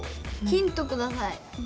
ヒントください。